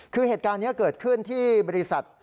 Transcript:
คือเหตุการณ์นี้เกิดขึ้นที่บริษัท